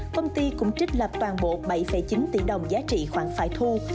công ty cũng trích lập toàn bộ bảy chín tỷ đồng giá trị khoản phải thu